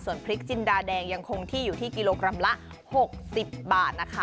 ส่วนพริกจินดาแดงยังคงที่อยู่ที่กิโลกรัมละ๖๐บาทนะคะ